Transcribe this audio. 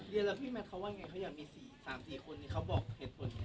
เดี๋ยวแล้วพี่แมทเขาว่าอยากมี๓๔คน